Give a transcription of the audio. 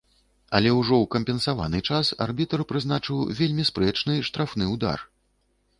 Але ўжо ў кампенсаваны час арбітр прызначыў вельмі спрэчны штрафны ўдар.